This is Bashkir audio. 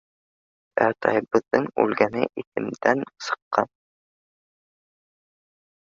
Ә атайыбыҙҙың үлгәне иҫемдән сыҡҡан.